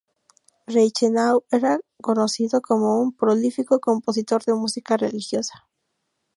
Reichenau era conocido como un prolífico compositor de música religiosa.